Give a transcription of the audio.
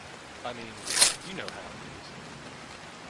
I mean, you know how it is.